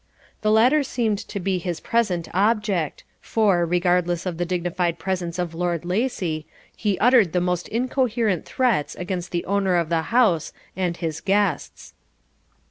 The latter seemed to be his present object, for, regardless of the dignified presence of Lord Lacy, he uttered the most incoherent threats against the owner of the house and his guests.